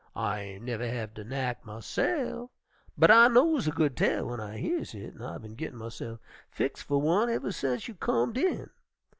I ain' nuver have de knack myse'f, but I knows a good tale w'en I years hit, an' I bin gittin' myse'f fixed fer one uver sence you comed in."